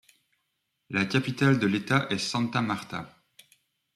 La capitale de l'État est Santa Marta.